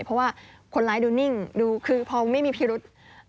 เพราะว่าคนร้ายดูนิ่งดูคือพอไม่มีพิรุษ